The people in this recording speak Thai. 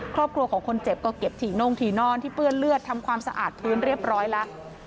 ครอบครัวของคนเจ็บก็เก็บถี่โน่งถี่นอนที่เปื้อนเลือดทำความสะอาดพื้นเรียบร้อยแล้ว